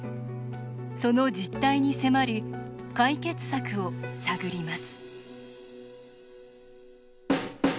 その実態に迫り解決策を探ります。